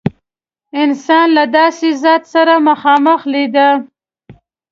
انسان له داسې ذات سره مخامخ لیده.